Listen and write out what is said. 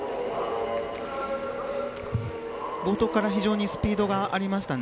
冒頭から非常にスピードがありましたね。